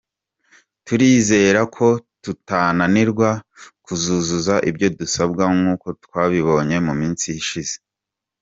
Turizera ko tutananirwa kuzuza ibyo dusabwa nkuko twabibonye mu minsi ishize.